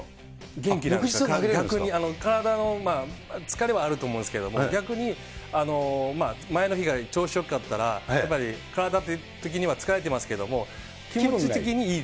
元気なんですよ、逆に、体の疲れはあると思うんですけども、逆に、前の日が調子よかったら、やっぱり体的には疲れてますけども、気持ち的にいい。